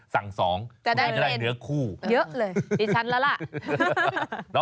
สั่ง๒จะได้เนื้อคู่เยอะเลยดิฉันแล้วล่ะ